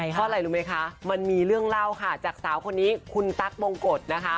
เท่าไหร่รู้ไหมคะมันมีเรื่องเล่าจากสาวคนนี้คุณตั๊กโมงกฎ